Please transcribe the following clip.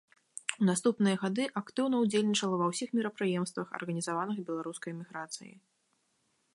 У наступныя гады актыўна ўдзельнічала ва ўсіх мерапрыемствах, арганізаваных беларускай эміграцыяй.